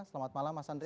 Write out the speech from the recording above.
selamat malam mas andre